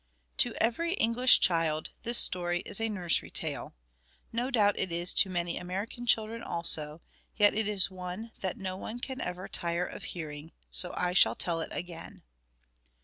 To every English child this story is a nursery tale. No doubt it is to many American children also, yet it is one that no one can ever tire of hearing, so I shall tell it again.